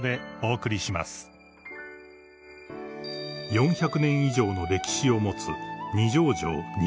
［４００年以上の歴史を持つ］